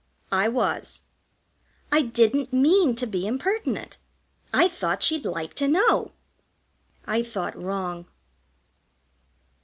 I was. I didn't mean to be impertinent. I thought she'd like to know. I thought wrong.